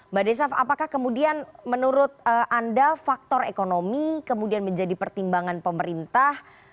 mbak desaf apakah kemudian menurut anda faktor ekonomi kemudian menjadi pertimbangan pemerintah